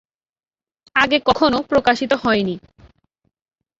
আগে কখনো প্রকাশিত হয়নি!